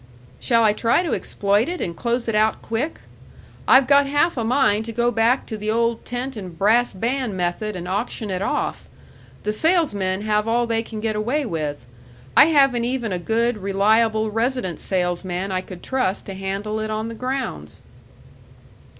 "Shall I try to exploit it and close it out quick? I've got half a mind to go back to the old tent and brass band method and auction it off. The salesmen have all they can get away with. I haven't even a good, reliable resident salesman I could trust to handle it on the grounds."